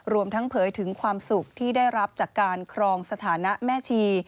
รวมทั้งเผยถึงความสุขที่ได้รับจากการครองสถานะแม่ชี